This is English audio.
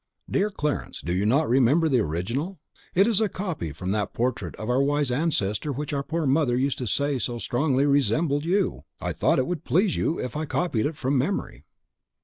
"Dear Clarence, do you not remember the original? it is a copy from that portrait of our wise ancestor which our poor mother used to say so strongly resembled you. I thought it would please you if I copied it from memory."